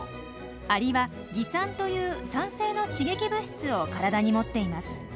アリは「蟻酸」という酸性の刺激物質を体に持っています。